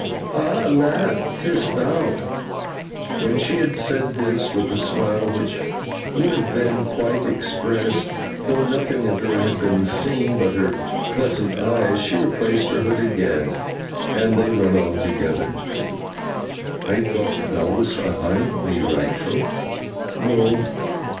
'Ah, lad! 'Tis thou?' When she had said this, with a smile which would have been quite expressed, though nothing of her had been seen but her pleasant eyes, she replaced her hood again, and they went on together. 'I thought thou wast ahind me, Rachael?' 'No.